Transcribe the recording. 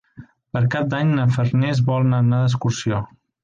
Per Cap d'Any na Farners vol anar d'excursió.